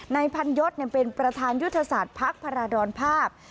นายพันยศเป็นประธานยุทธศาสตร์ภาคพรดรภาพ